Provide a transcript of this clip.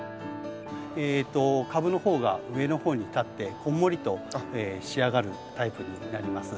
株の方が上の方に立ってこんもりと仕上がるタイプになります。